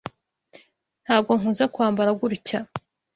Ntabwo nkunze kwambara gutya.